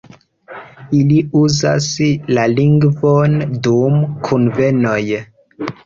Ili uzas la lingvon dum kunvenoj.